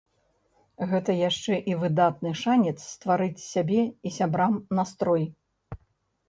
Гэта яшчэ і выдатны шанец стварыць сябе і сябрам настрой.